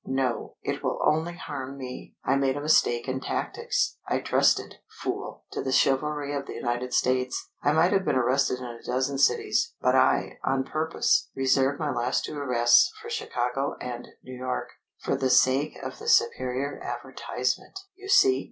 No, it will only harm me. I made a mistake in tactics. I trusted fool! to the chivalry of the United States. I might have been arrested in a dozen cities, but I, on purpose, reserved my last two arrests for Chicago and New York, for the sake of the superior advertisement, you see!